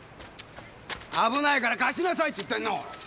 危ないから貸しなさいって言ってるの！